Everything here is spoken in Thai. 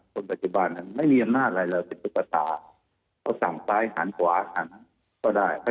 คนปัจจิบันนั้นไม่มีอำนาจอะไรเราเป็นกุฎตา